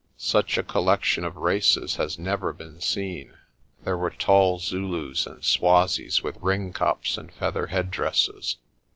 Such a collection of races has never been seen. There were tall Zulus and Swazis with ring kops and feather head dresses.